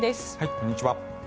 こんにちは。